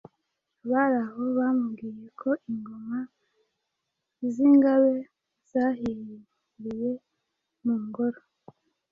Abari aho bamubwiye ko ingoma z’ingabe zahiriye mu ngoro